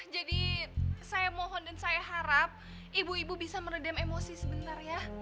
jadi saya mohon dan saya harap ibu ibu bisa meredem emosi sebentar ya